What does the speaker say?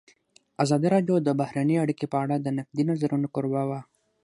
ازادي راډیو د بهرنۍ اړیکې په اړه د نقدي نظرونو کوربه وه.